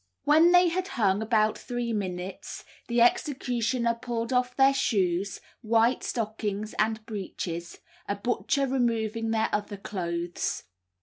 When they had hung about three minutes, the executioner pulled off their shoes, white stockings, and breeches, a butcher removing their other clothes.